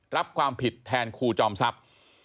รับความผิดแทนครูจอมทรัพย์